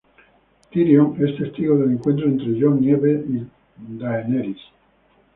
Tyrion es testigo del encuentro entre Jon Nieve y Daenerys.